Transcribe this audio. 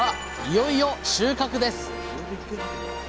いよいよ収穫です！